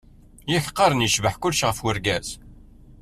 Yak qqaren yecbeḥ kulec ɣef urgaz.